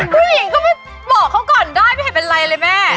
ผู้หญิงก็ไปบอกเขาก่อนได้ไม่เห็นเป็นไรเลยแม่